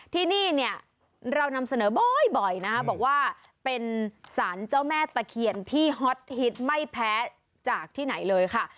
ที่นี่เนี่ยเรานำเสนอบ่อยนะคะบอกว่าเป็นสารเจ้าแม่ตะเคียนที่ฮอตฮิตไม่แพ้จากที่ไหนเลยค่ะ